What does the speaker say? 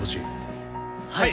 はい！